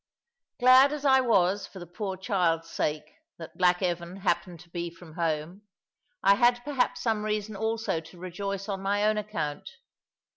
Glad as I was, for the poor child's sake, that Black Evan happened to be from home, I had perhaps some reason also to rejoice on my own account.